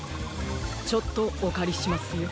ちょっとおかりしますよ。